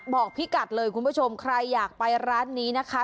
บอกพี่กัดเลยคุณผู้ชมใครอยากไปร้านนี้นะคะ